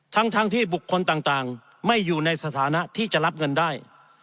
ทั้งที่บุคคลต่างไม่อยู่ในสถานะที่จะรับเงินได้